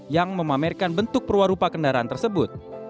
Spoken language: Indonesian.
yang memamerkan bentuk perwarupa kendaraan tersebut